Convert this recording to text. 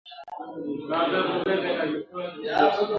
خدایه څه بدرنګه شپې دي د دښتونو په کیږدۍ کي!!